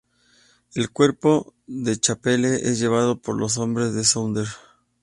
El cuerpo de Chappelle es llevado por los hombres de Saunders.